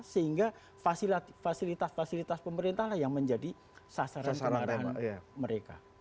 sehingga fasilitas fasilitas pemerintah lah yang menjadi sasaran kemarahan mereka